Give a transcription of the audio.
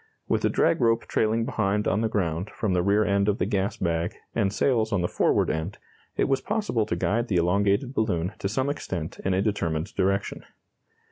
With a drag rope trailing behind on the ground from the rear end of the gas bag, and sails on the forward end, it was possible to guide the elongated balloon to some extent in a determined direction.